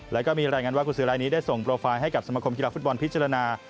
แล้วก็มีรายงานว่ากุศือลายนี้ได้ส่งโปรไฟล์ให้กับสมคมกีฬาฟุตบอลพิจารณา